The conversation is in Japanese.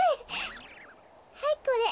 はいこれ。